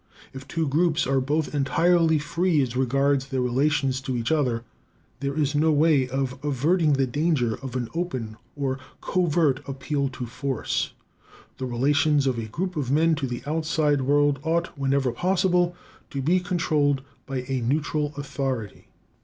If two groups are both entirely free as regards their relations to each other, there is no way of averting the danger of an open or covert appeal to force. The relations of a group of men to the outside world ought, whenever possible, to be controlled by a neutral authority.